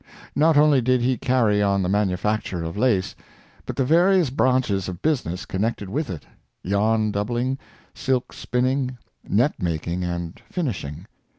Not only did he carry on the manufacture of lace, but the various branches of business connected with it, yarn doubling, silk spinning, net making and finishing.